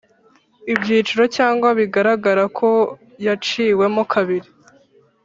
Ibyiciro cyangwa bigaragara ko yaciwemo kabiri